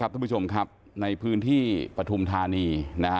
ทุกผู้ชมครับในพื้นที่ปฐุมธานี